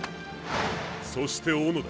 そして小野田。